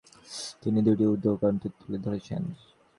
তিনি দুইটি উর্দু গ্রন্থে তুলে ধরেছেন।